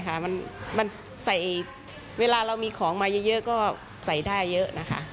ก็สะดวกไงมันใส่เวลาเรามีของมาเยอะก็ใส่ได้เยอะ